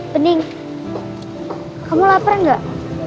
pening kamu lapar gak